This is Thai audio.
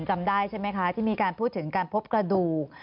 จำได้ใช่ไหมคะที่มีการพูดถึงการพบกระดูก